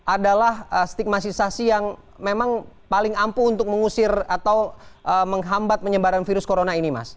adalah stigmatisasi yang memang paling ampuh untuk mengusir atau menghambat penyebaran virus corona ini mas